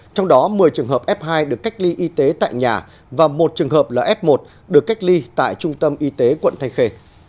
trong đó một mươi trường hợp f hai được cách ly y tế tại nhà và một trường hợp là f một được cách ly tại trung tâm y tế quận thanh khê